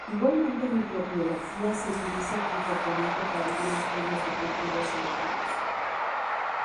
Igualmente en microbiología se utiliza como componente para algunos medios de cultivos selectivos.